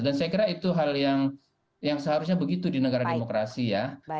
dan saya kira itu hal yang seharusnya begitu di negara demokrasi ya